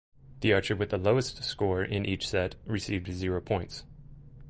The archer with the lowest score in each set received zero points.